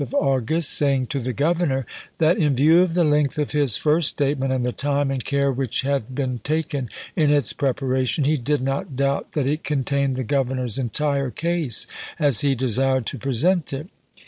of August, saying to the Governor that, in view of the length of his first statement and the time and care which had been taken in its prepara tion, he did not doubt that it contained the Gov ernor's entire case as he desired to present it.